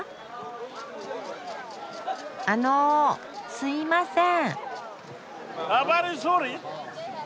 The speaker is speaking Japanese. あのすいません。